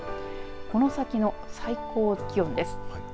この先の最高気温です。